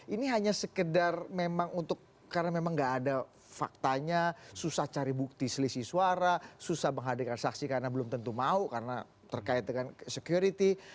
ini hanya sekedar memang untuk karena memang tidak ada faktanya susah cari bukti selisih suara susah menghadirkan saksi karena belum tentu mau karena terkait dengan security